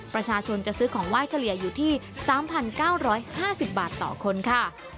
ประชาชนจะซื้อของไหว้เฉลี่ยอยู่ที่๓๙๕๐บาทต่อคนค่ะ